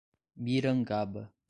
Mirangaba